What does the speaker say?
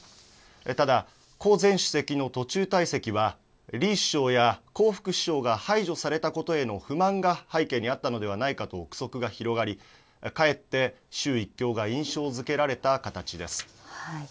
ただ、胡前主席の途中退席は、李首相や胡副首相が排除されたことへの不満が背景にあったのではないかと臆測が広がり、かえって習１強が印象づけられた形です。